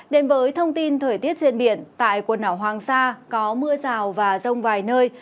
đến với thông tin thời tiết trên biển tại quần đảo hoàng sa có mưa rào và rông vài nơi